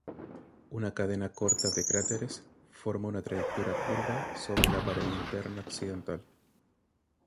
Una cadena corta de cráteres forma una trayectoria curva sobre la pared interna occidental.